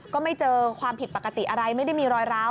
ก็ไม่เจอความผิดปกติอะไรไม่ได้มีรอยร้าว